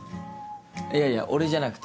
いやいや俺じゃなくて。